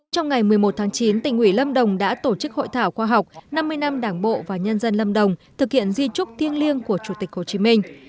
trong ngày một mươi một tháng chín tỉnh ủy lâm đồng đã tổ chức hội thảo khoa học năm mươi năm đảng bộ và nhân dân lâm đồng thực hiện di trúc thiêng liêng của chủ tịch hồ chí minh